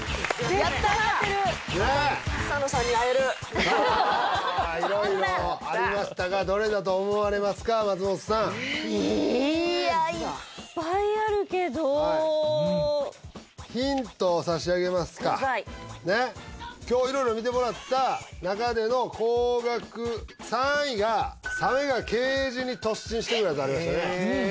やったー草野さんに会えるさあ色々ありましたがどれだと思われますか松本さんいやいっぱいあるけどヒントを差し上げますかねっ今日色々見てもらった中での高額３位がサメがケージに突進してくるやつありましたね